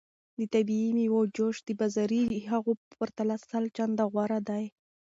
د طبیعي میوو جوس د بازاري هغو په پرتله سل چنده غوره دی.